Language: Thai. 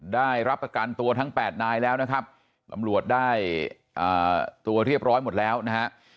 ได้รับประกันตัวทั้ง๘นายแล้วนะครับตำรวจได้ตัวเรียบร้อยหมดแล้วนะฮะ